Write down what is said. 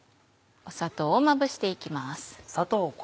砂糖をまぶして行きます。